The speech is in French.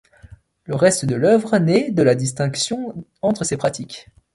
Le reste de l'œuvre n'est, de la distinction entre ces pratiques.